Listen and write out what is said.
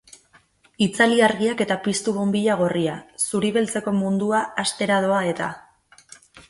Itzali argiak eta piztu bonbilla gorria, zuri-beltzeko mundua hastera doa eta!